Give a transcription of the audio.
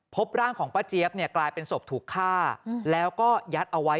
พบร่างของป้าเจี๊ยบเนี่ยกลายเป็นศพถูกฆ่าแล้วก็ยัดเอาไว้